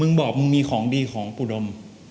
บอกมึงมีของดีของอุดม